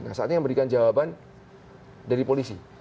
nah saatnya yang memberikan jawaban dari polisi